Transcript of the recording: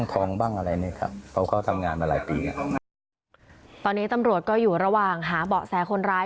ตอนนี้ตำรวจก็อยู่ระหว่างหาเบาะแสคนร้าย